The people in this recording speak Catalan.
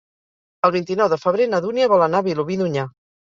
El vint-i-nou de febrer na Dúnia vol anar a Vilobí d'Onyar.